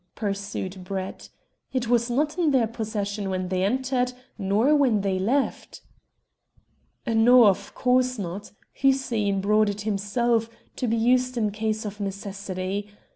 pursued Brett. "It was not in their possession when they entered, nor when they left." "No; of course not. Hussein brought it himself, to be used in case of necessity.